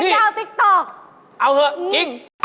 บันทึกออก่ะติ๊กต้อกกิ๊กเหรอ